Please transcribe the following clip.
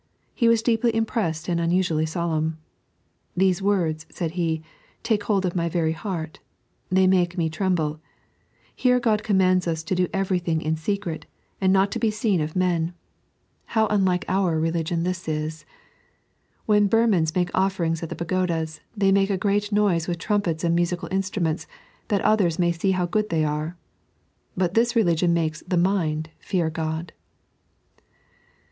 He was deeply impressed and unusually solemn. ' These words,' said he, ' take hold of my very heart. They make me tremble. Here God com mands US to do everything in secret, and not to be seen cA 3.n.iized by Google Peivatb Peatbe. 103 men. How tmlike our religion this is ! When BurmanB make ofieringa at the pagodas, they make a great noise vith trumpets and musical instruments, that others ma; see how good they are. But this religion makes the mind fear God."